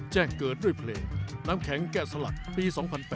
แจ้งเกิดด้วยเพลงน้ำแข็งแกะสลักปี๒๐๐๘